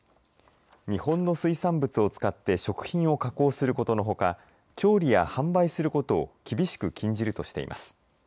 日本の水産物を使って食品を加工することのほか調理や販売することを厳しく禁じるとしています。